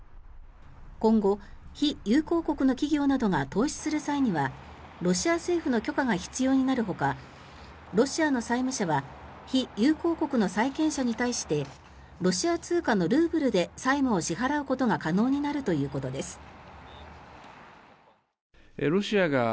今後、非友好国の企業などが投資する際にはロシア政府の許可が必要になるほかロシアの債務者は非友好国の債権者に対してロシア通貨のルーブルで債務を支払うことが可能になるということです。